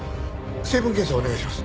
成分検査お願いします。